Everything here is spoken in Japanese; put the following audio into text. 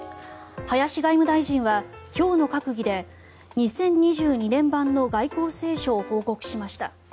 林外務大臣は今日の閣議で２０２２年版の外交青書を報告しました。